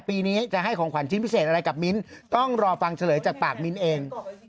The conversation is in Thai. ปีนี้จะให้ของขวัญชิ้นพิเศษอะไรกับมิ้นต้องรอฟังเฉลยจากปากมิ้นเอง